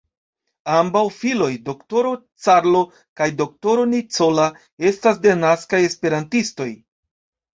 Ambaŭ filoj, d-ro Carlo kaj d-ro Nicola estas denaskaj esperantistoj.